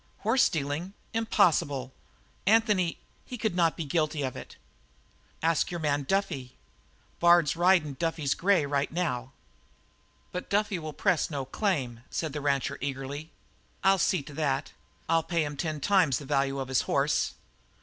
"Horse stealing? Impossible! Anthony he could not be guilty of it!" "Ask your man Duffy. Bard's ridin' Duffy's grey right now." "But Duffy will press no claim," said the rancher eagerly. "I'll see to that. I'll pay him ten times the value of his horse.